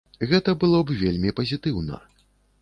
Гэта было б вельмі пазітыўна.